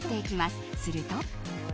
すると。